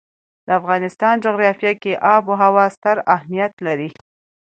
د افغانستان جغرافیه کې آب وهوا ستر اهمیت لري.